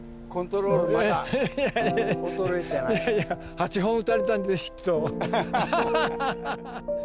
８本打たれたんでヒット。